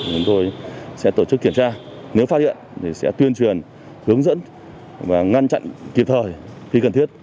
chúng tôi sẽ tổ chức kiểm tra nếu phát hiện thì sẽ tuyên truyền hướng dẫn và ngăn chặn kịp thời khi cần thiết